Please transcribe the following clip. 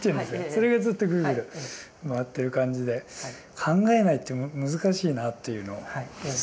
それがずっとぐるぐる回ってる感じで考えないって難しいなっていうのですね。